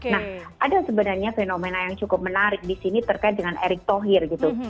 nah ada sebenarnya fenomena yang cukup menarik disini terkait dengan erick thokir gitu